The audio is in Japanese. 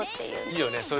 いいよね